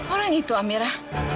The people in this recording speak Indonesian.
orang itu amira